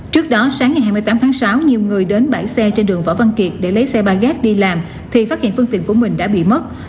trước đó sáng ngày hai mươi tám tháng sáu nhiều người đến bãi xe trên đường võ văn kiệt để lấy xe ba gác đi làm thì phát hiện phương tiện của mình đã bị mất